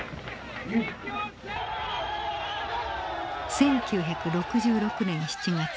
１９６６年７月。